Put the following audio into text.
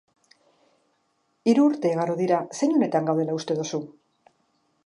Hiru urte igaro dira, zein unetan gaudela uste duzu?